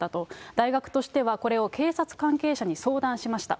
大学としては、これを警察関係者に相談しました。